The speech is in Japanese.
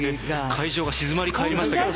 会場が静まり返りましたけど。